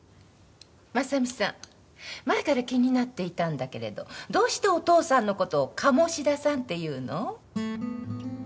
真実さん前から気になっていたんだけれどどうしてお父さんの事を鴨志田さんって言うの？